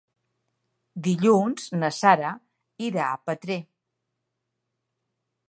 Dilluns na Sara irà a Petrer.